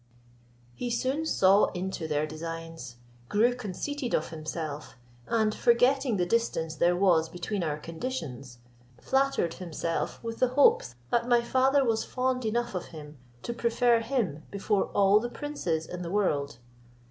He soon saw into their designs, grew conceited of himself, and forgetting the distance there was between our conditions, flattered himself with the hopes that my father was fond enough of him, to prefer him before all the princes in the world.